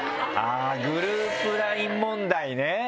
グループＬＩＮＥ問題ね。